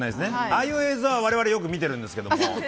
ああいう映像は我々よく見ているんですけど。